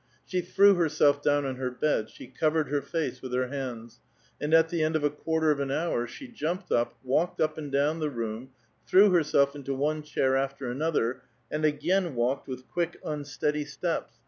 ^'^^ threw herself down on her bed, she covered her face with ^^1* hands ; and at the end of a quarter of an hour she jumped ^P * walked up and down the room, threw herself into one ^hair after another, and again walked with quick, unsteady ^teps.